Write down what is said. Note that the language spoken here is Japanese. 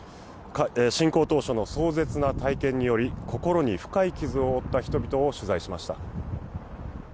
侵攻当初の壮絶な体験により心に深い傷をおった人々を取材しました。